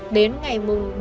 đến ngày bốn